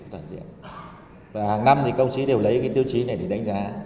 hàng năm công chí đều lấy tiêu chí này để đánh giá